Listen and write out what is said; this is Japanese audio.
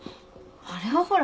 あれはほら。